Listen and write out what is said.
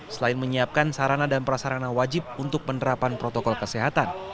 selain menyiapkan sarana dan prasarana wajib untuk penerapan protokol kesehatan